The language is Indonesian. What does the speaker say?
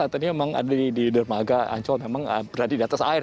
karena saat ini memang ada di dermaga anjol memang berada di atas air